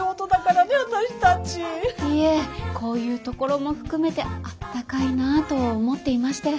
いえこういうところも含めてあったかいなぁと思っていまして。